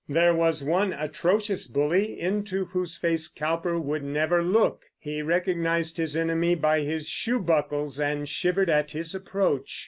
There was one atrocious bully into whose face Cowper could never look; he recognized his enemy by his shoe buckles, and shivered at his approach.